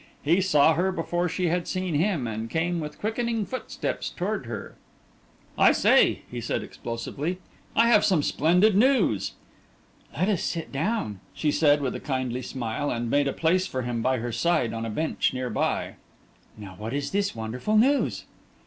He saw her before she had seen him, and came with quickening footsteps toward her. "I say," he said explosively, "I have some splendid news!" "Let us sit down," she said, with a kindly smile, and made a place for him by her side on a bench near by. "Now, what is this wonderful news?"